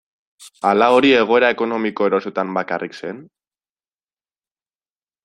Ala hori egoera ekonomiko erosoetan bakarrik zen?